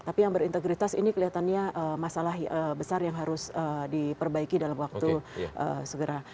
tapi yang berintegritas ini kelihatannya masalah besar yang harus diperbaiki dalam waktu segera